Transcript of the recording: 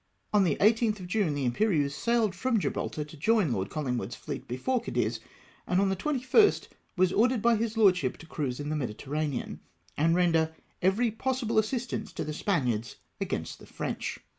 On the 18th of June the Imperieuse sailed from Gibraltar to join Lord Collingwood's fleet before Cadiz, and on the 21st was ordered by his lordship to cruise in the Mediter ranean, and render every possible assistance to the Spaniards against the French.